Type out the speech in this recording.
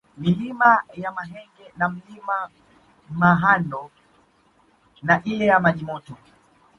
Milima ya Mahenge na Mlima Mahondo na ile ya Maji Moto